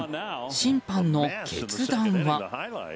審判の決断は。